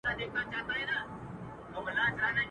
موږكانو ته معلوم د پيشو زور وو.